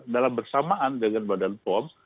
dalam bersamaan dengan badan pom